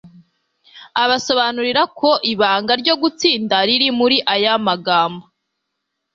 Abasobanurira ko ibanga ryo gutsinda riri muri aya magambo: